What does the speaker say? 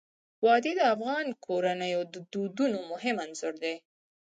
وادي د افغان کورنیو د دودونو مهم عنصر دی.